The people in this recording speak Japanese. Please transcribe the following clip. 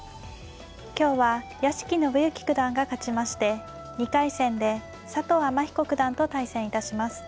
今日は屋敷伸之九段が勝ちまして２回戦で佐藤天彦九段と対戦致します。